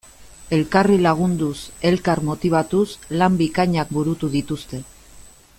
Elkarri lagunduz, elkar motibatuz, lan bikainak burutu dituzte.